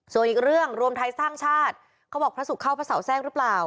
ส่วนอีกเรื่องรวมไทยสร้างชาติเขาบอกพระศุกร์เข้าพระเสาแทรกหรือเปล่า